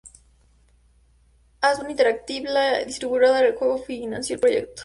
Hasbro Interactive, la distribuidora del juego, financió el proyecto.